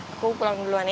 aku pulang duluan ya